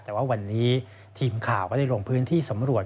แต่ว่าวันนี้ทีมข่าวก็ได้ลงพื้นที่สำรวจ